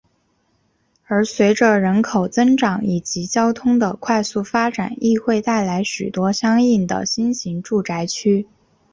而随着人口增长以及交通的快速发展亦会带来许多相应的新型住宅区。